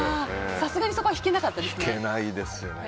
さすがにそこは引けなかったですね。